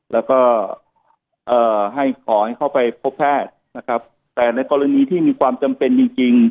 แล้วก็คอให้เข้าไปพบแพทย์นะครับแต่ในกรณีที่มีความจำเป็นจริง